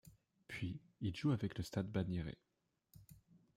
Puis il joue avec le Stade bagnérais.